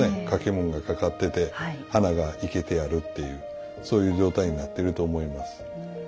掛物がかかってて花が生けてあるっていうそういう状態になっていると思います。